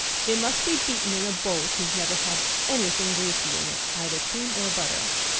It must be beaten in a bowl which has never had any thing greasy in it, (either cream or butter).